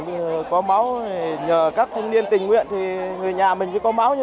và có một bạn bạn ấy đi cùng em tình nguyện viên bạn ấy đi cùng em